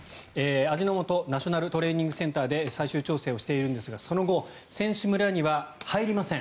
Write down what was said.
味の素ナショナルトレーニングセンターで最終調整をしているんですがその後、選手村には入りません。